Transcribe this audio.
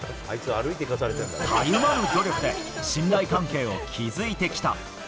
たゆまぬ努力で、信頼関係を築いてきた。